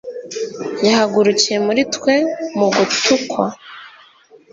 yahagurukiye muri twe mu gutukwa